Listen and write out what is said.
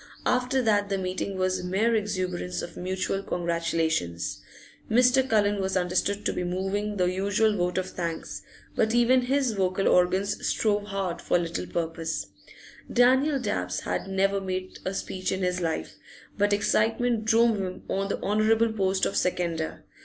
After that the meeting was mere exuberance of mutual congratulations. Mr. Cullen was understood to be moving the usual vote of thanks, but even his vocal organs strove hard for little purpose. Daniel Dabbs had never made a speech in his life, but excitement drove him on the honourable post of seconder.